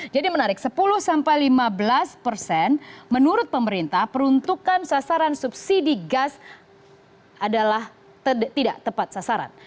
jadi menarik sepuluh hingga lima belas persen menurut pemerintah peruntukan sasaran subsidi gas adalah tidak tepat sasaran